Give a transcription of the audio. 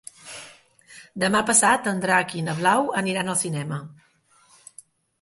Demà passat en Drac i na Blau aniran al cinema.